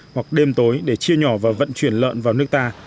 hoặc đêm tối để chia nhỏ và vận chuyển lợn vào nước ta